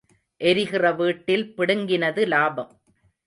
எரிகிற வீட்டில் பிடுங்கினது லாபம்.